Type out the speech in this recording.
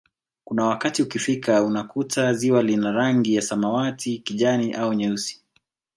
Kuna wakati ukifika unakuta ziwa lina rangi ya samawati kijani au nyeusi